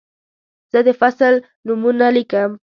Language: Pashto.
زه د فصل نومونه لیکم.